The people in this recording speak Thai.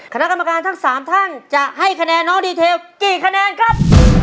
คณะกรรมการทั้ง๓ท่านจะให้คะแนนน้องดีเทลกี่คะแนนครับ